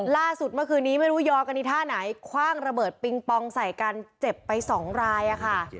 ล่าสุดเมื่อคืนนี้ไม่รู้ยอกันอีกท่าไหนคว่างระเบิดปิงปองใส่กันเจ็บไปสองรายค่ะ